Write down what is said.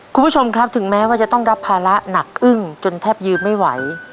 คุณผู้ชมครับถึงแม้ว่าจะต้องรับภาระหนักอึ้งจนแทบยืนไม่ไหว